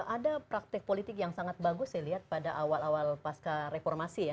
ada praktek politik yang sangat bagus saya lihat pada awal awal pasca reformasi ya